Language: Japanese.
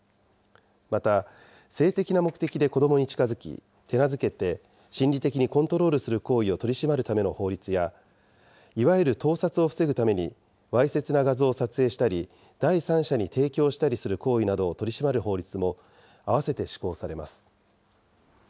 また、性的な目的で子どもに近づき手なずけて心理的にコントロールする行為を取り締まるための法律や、いわゆる盗撮を防ぐために、わいせつな画像を撮影したり第三者に提供したりする行為などを取り締まる法律も併せて施行されます。